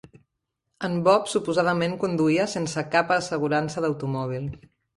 En Bob suposadament conduïa sense cap assegurança d"automòbil.